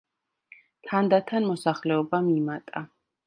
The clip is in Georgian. თანდათან მოსახლეობამ იმატა.